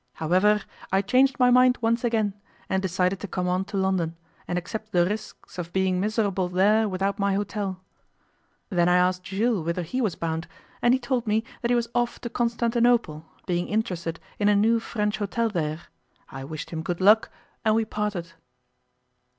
However, I changed my mind once again, and decided to come on to London, and accept the risks of being miserable there without my hotel. Then I asked Jules whither he was bound, and he told me that he was off to Constantinople, being interested in a new French hotel there. I wished him good luck, and we parted.